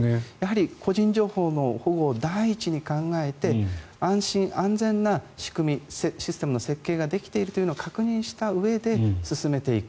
やはり、個人情報の保護を第一に考えて安心安全な仕組みシステムの設計ができているのを確認したうえで進めていく。